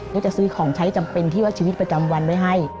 แล้วจะซื้อของใช้จำเป็นที่ว่าชีวิตประจำวันไว้ให้